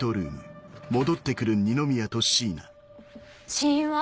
死因は？